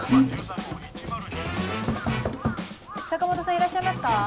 坂本さんいらっしゃいますか？